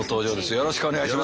よろしくお願いします。